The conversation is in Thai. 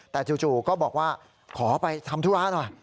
แต่จู่ก็บอกว่าขอไปทำธุระหน่อย